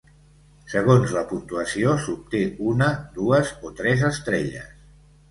Segons la puntuació s'obté una, dues o tres estrelles.